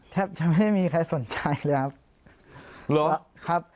แทบจะไม่มีใครสนใจเลยครับ